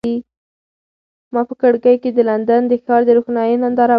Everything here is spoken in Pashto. ما په کړکۍ کې د لندن د ښار د روښنایۍ ننداره وکړه.